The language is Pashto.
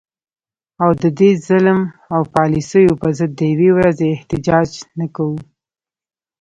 او د دې ظلم او پالیسو په ضد د یوې ورځي احتجاج نه کوو